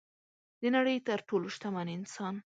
د نړۍ تر ټولو شتمن انسان